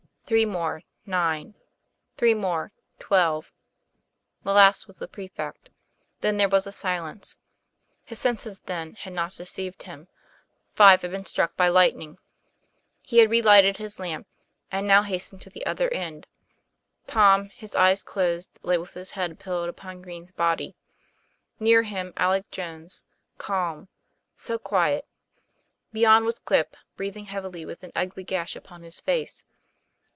Three more nine. Three more twelve. The last was the prefect. Then there was a silence. His senses, then, had not deceived him. Five had been struck by lightning. He had relighted his lamp, and now hastened to n8 TOM PLAYFAIR. the other end. Tom, his eyes closed, lay with his head pillowed upon Green's body; near him Alec Jones, calm so quiet! Beyond was Quip, breath ing heavily with an ugly gash upon his face.